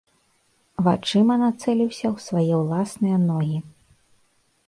Вачыма нацэліўся ў свае ўласныя ногі.